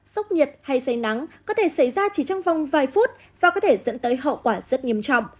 sốc nhiệt hay say nắng có thể xảy ra chỉ trong vòng vài phút và có thể dẫn tới hậu quả rất nghiêm trọng